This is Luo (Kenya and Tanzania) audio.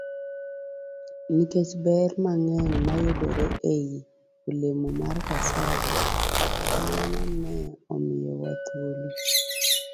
Nikech ber mang'eny mayudore ei olemo mar cassava, mano ne omiyowa thuolo